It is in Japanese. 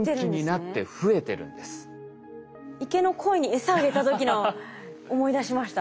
池のコイにエサあげた時の思い出しました。